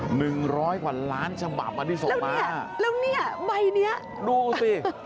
หนึ่งร้อยกว่าล้านฉบับอันนี้ส่งมาแล้วเนี้ยใบเนี้ยดูสิ